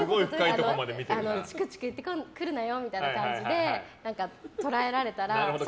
チクチク言ってくるなよみたいな感じで捉えられたら。